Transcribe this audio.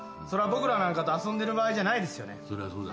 そら僕らなんかと遊んでる場合じゃないですよね。